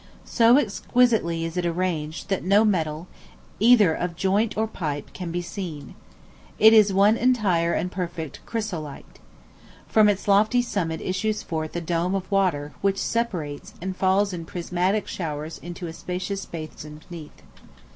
So exquisitely is it arranged that no metal, either of joint or pipe, can be seen. It is "one entire and perfect chrysolite." From its lofty summit issues forth a dome of water, which separates, and falls in prismatic showers into a spacious basin beneath.